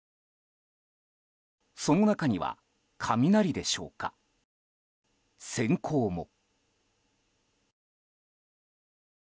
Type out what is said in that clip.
その中には、雷でしょうか閃光も。